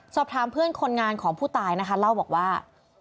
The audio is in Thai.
สอบถามเพื่อนคนงานของผู้ตายนะคะเล่าบอกว่า